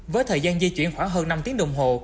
với thời gian di chuyển khoảng hơn năm tiếng đồng hồ